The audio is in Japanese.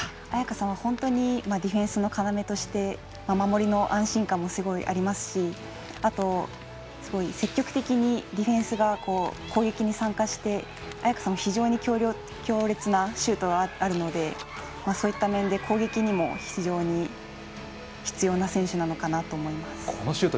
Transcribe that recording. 亜矢可さんはディフェンスの要として守りの安心感もすごいありますしあと、積極的にディフェンスが攻撃に参加して亜矢可さんも非常に強烈なシュートあるのでそういった面で攻撃にも非常に必要な選手なのかなと思います。